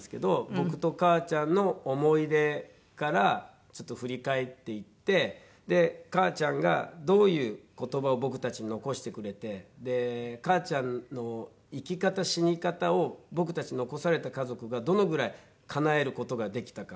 僕と母ちゃんの思い出からちょっと振り返っていってで母ちゃんがどういう言葉を僕たちに残してくれて母ちゃんの生き方死に方を僕たち残された家族がどのぐらいかなえる事ができたか。